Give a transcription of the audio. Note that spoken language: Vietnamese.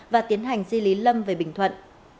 và tiến hành di lý lâm về bình thuận